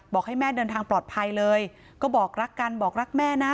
บอกให้แม่เดินทางปลอดภัยเลยก็บอกรักกันบอกรักแม่นะ